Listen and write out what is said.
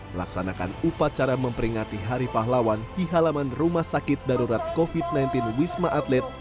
melaksanakan upacara memperingati hari pahlawan di halaman rumah sakit darurat covid sembilan belas wisma atlet